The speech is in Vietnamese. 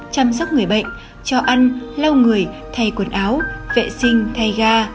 chăm sóc người bệnh cho ăn lau người thay quần áo vệ sinh thay ga